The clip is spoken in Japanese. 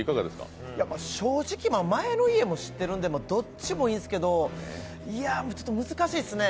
正直、前の家も知ってるんでどっちもいいんすけど、いや、難しいっすね。